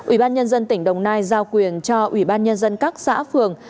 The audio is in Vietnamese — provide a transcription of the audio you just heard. ủy ban nhân dân tỉnh đồng nai giao quyền cho ủy ban nhân dân các xã phường